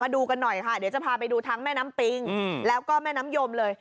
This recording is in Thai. ดูกันหน่อยค่ะเดี๋ยวจะพาไปดูทั้งแม่น้ำปิงแล้วก็แม่น้ำยมเลย